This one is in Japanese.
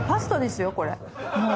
もう。